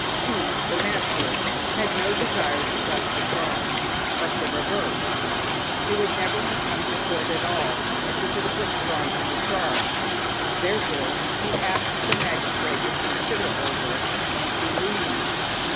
He, the master, had no desire to press the charge, but the reverse. He would never have come to court at all if he could have withdrawn from the charge. Therefore he asked that the magistrate would consider all this, and be lenient.